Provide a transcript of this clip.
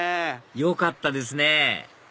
よかったですね